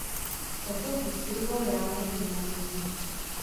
Otto zde studoval reálné gymnázium.